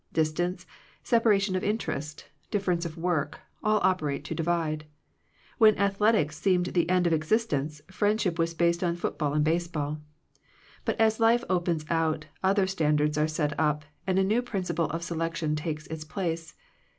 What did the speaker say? Distance, sep aration of interest, difference of work, all operate to divide. When athletics seemed th*e end of existence, friendship was based on football and baseball. But as life opens out, other standards are set up, and a new principle of selection takes its place.